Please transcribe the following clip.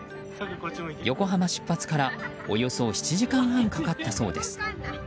横浜出発からおよそ７時間半かかったそうです。